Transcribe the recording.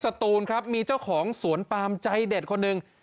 ตูนครับมีเจ้าของสวนปามใจเด็ดคนหนึ่ง